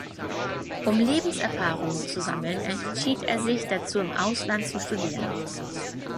Um Lebenserfahrung zu sammeln entschied er sich dazu im Ausland zu studieren.